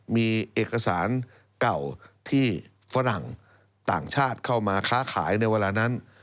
มีเอกสารเก่าที่ฝรั่งต่างชาติเข้ามาค้าขายในเวลานั้น